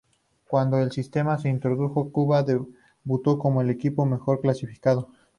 Cuando el sistema se introdujo, Cuba debutó como el equipo mejor clasificado.